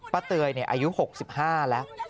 เตยอายุ๖๕แล้ว